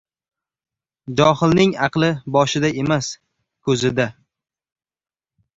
• Johilning aqli boshida emas, ko‘zida.